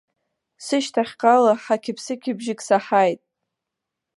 Сышьҭахьҟала ҳақьыԥсықьыбжьык саҳаит.